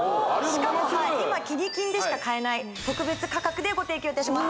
しかも今「キニ金」でしか買えない特別価格でご提供いたします